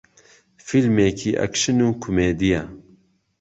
فیلمێکی ئەکشن و کۆمێدییە